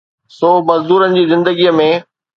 سو مزدورن جي زندگيءَ ۾